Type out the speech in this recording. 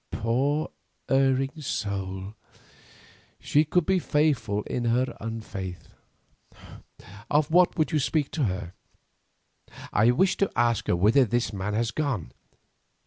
Poor erring soul, she could be faithful in her unfaith. Of what would you speak to her?" "I wish to ask her whither this man has gone.